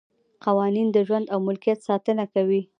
قوانین د ژوند او ملکیت ساتنه کوي.